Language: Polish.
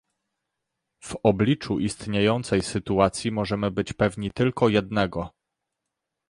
W obliczu istniejącej sytuacji możemy być pewni tylko jednego